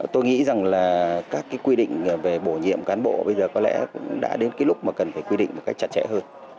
tôi nghĩ rằng là các quy định về bổ nhiệm cán bộ bây giờ có lẽ đã đến lúc mà cần phải quy định một cách chặt chẽ hơn